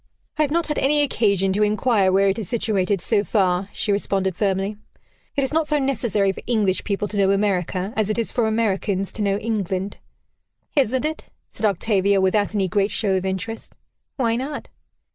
"I have not had any occasion to inquire where it is situated, so far," she responded firmly. "It is not so necessary for English people to know America as it is for Americans to know England." "Isn't it?" said Octavia, without any great show of interest. "Why not?"